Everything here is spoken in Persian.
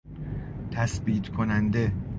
تثبیت کننده